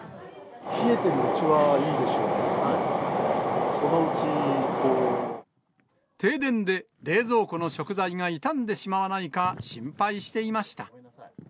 冷えてるうちはいいですけど、停電で、冷蔵庫の食材が傷んでしまわないか、心配していました。